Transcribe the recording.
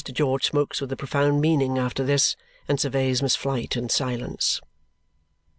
George smokes with a profound meaning after this and surveys Miss Flite in silence.